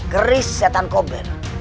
keris setan kobel